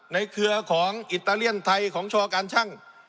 เครือของอิตาเลียนไทยของชอการชั่ง